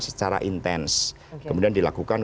secara intens kemudian dilakukan